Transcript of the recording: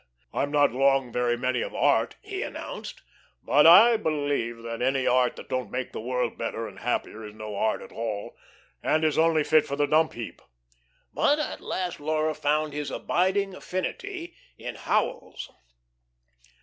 "I'm not long very many of art," he announced. "But I believe that any art that don't make the world better and happier is no art at all, and is only fit for the dump heap." But at last Laura found his abiding affinity in Howells.